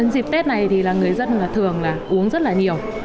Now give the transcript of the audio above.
dịp tết này người dân thường uống rất nhiều